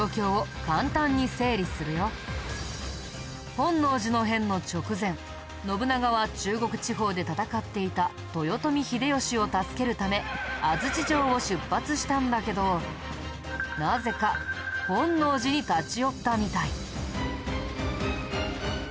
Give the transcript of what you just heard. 本能寺の変の直前信長は中国地方で戦っていた豊臣秀吉を助けるため安土城を出発したんだけどなぜか本能寺に立ち寄ったみたい。